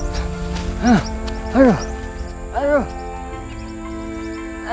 sampai jumpa di video selanjutnya